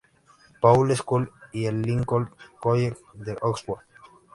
Paul's School y el Lincoln College de Oxford.